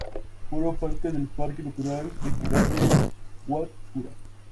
Forma parte del parque natural regional del Haut-Jura.